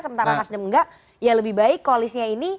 sementara mas dem enggak ya lebih baik koalisnya ini